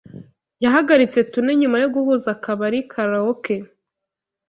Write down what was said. Yahagaritse tune nyuma yo guhuza akabari karaoke.